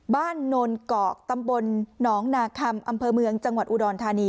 นนเกาะตำบลหนองนาคัมอำเภอเมืองจังหวัดอุดรธานี